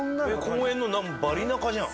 公園の中バリ中じゃん。